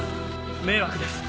迷惑です